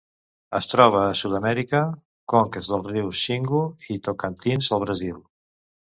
Es troba a Sud-amèrica: conques dels rius Xingu i Tocantins al Brasil.